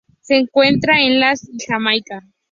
Se encuentra en las y Jamaica.